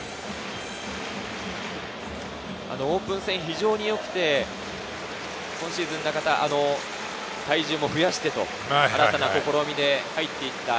オープン戦、非常に良くて、今シーズン、体重も増やしてという試みで入ってきました。